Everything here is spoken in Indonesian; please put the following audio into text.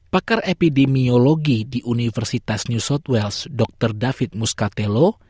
pakar epidemiologi di universitas new south wales dr david muskatelo